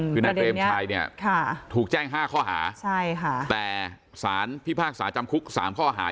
คือนายเปรมชัยเนี่ยถูกแจ้ง๕ข้อหาแต่สารพิพากษาจำคุก๓ข้อหา